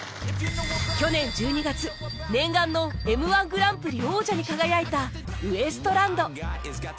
去年１２月念願の Ｍ−１ グランプリ王者に輝いたウエストランド